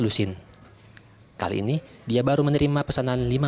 ketika dia menerima pesanan dia menerima pesanan yang lebih dari lima belas rupiah